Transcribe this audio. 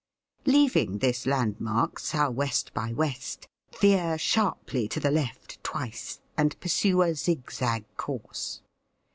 Leaving this landmark south west by west, veer sharply to the left twice, and pursue a zig zag course.